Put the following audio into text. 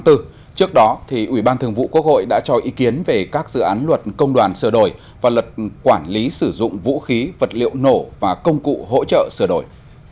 trước đó ủy ban thường vụ quốc hội đã cho ý kiến về các dự án luật công đoàn sửa đổi và luật quản lý sử dụng vũ khí vật liệu nổ và công cụ hỗ trợ sửa đổi